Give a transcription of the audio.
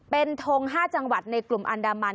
เป็นทง๕จังหวัดในกลุ่มอันดามัน